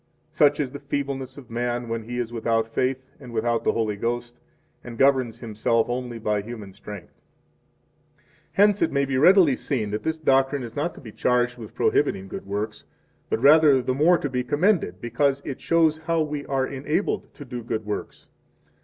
Such is the feebleness of man when he is without faith and without the Holy Ghost, and governs himself only by human strength. 35 Hence it may be readily seen that this doctrine is not to be charged with prohibiting good works, but rather the more to be commended, because it shows how we are enabled to do good works.